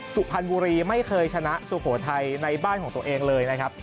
สุพรรณบุรีไม่เคยชนะสุโขทัยในบ้านของตัวเองเลยนะครับ